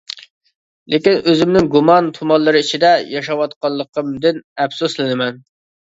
لېكىن ئۆزۈمنىڭ گۇمان تۇمانلىرى ئىچىدە ياشاۋاتقىنىمدىن ئەپسۇسلىنىمەن.